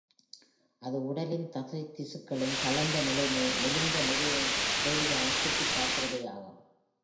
அது உடலின் தசைத்திசுக்களின் தளர்ந்த நிலையை மெலிந்த நிலையைக் கேலியாகச் சுட்டிக் காட்டுவதேயாகும்.